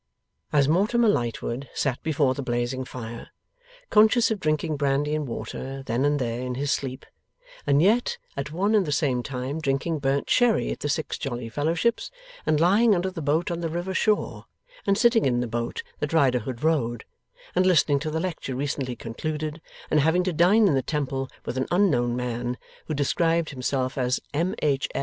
As Mortimer Lightwood sat before the blazing fire, conscious of drinking brandy and water then and there in his sleep, and yet at one and the same time drinking burnt sherry at the Six Jolly Fellowships, and lying under the boat on the river shore, and sitting in the boat that Riderhood rowed, and listening to the lecture recently concluded, and having to dine in the Temple with an unknown man, who described himself as M. H.